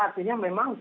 artinya memang jauh